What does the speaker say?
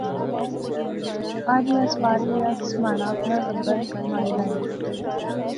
آر وی آنس، پار وی آنس، مہاڑا اپنا ٹبر، مہاڑے دادے پوترے